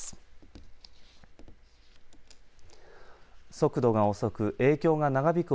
速度が遅く影響が長引く